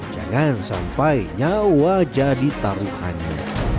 jangan sampai nyawa jadi taruhannya